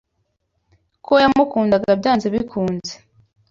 Ko yamukundaga byanze bikunze.